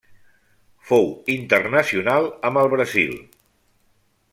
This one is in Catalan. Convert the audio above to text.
Fou internacional amb el Brasil.